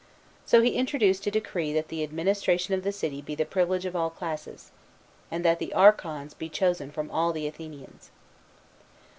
So he introduced a decree that the administration ot the city be the privilege of all classes, and that the archons be chosen from all the Athenians.